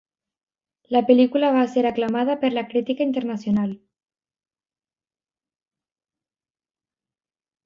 La pel·lícula va ser aclamada per la crítica internacional.